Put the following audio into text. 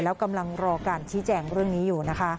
แล้วกำลังรอการชี้แจงเรื่องนี้อยู่นะคะ